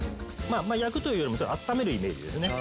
焼くというよりあっためるイメージですね。